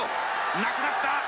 なくなった。